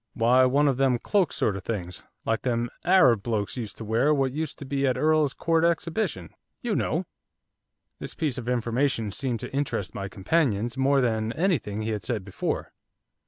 'Why, one of them cloak sort of things, like them Arab blokes used to wear what used to be at Earl's Court Exhibition, you know!' This piece of information seemed to interest my companions more than anything he had said before.